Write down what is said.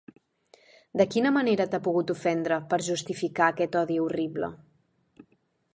De quina manera t'ha pogut ofendre, per justificar aquest odi horrible?